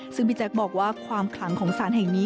ซึ่งพี่แจ๊คบอกว่าความขลังของสารแห่งนี้